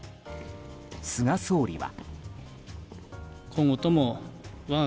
菅総理は。